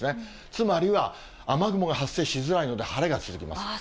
つまりは、雨雲が発生しづらいので、晴れが続きます。